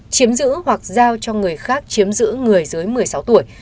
chiếm giữ hoặc giao cho người khác chiếm giữ người dưới một mươi sáu tuổi